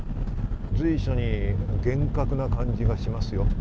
随所に厳格な感じがしますよ。